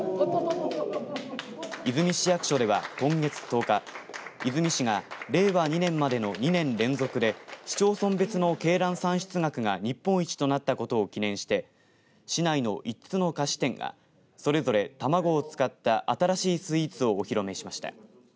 出水市役所では今月１０日出水市が令和２年までの２年連続で市町村別の鶏卵産出額が日本一となったことを記念して市内の５つの菓子店がそれぞれ卵を使った新しいスイーツをお披露目しました。